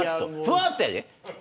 ふわっとやで。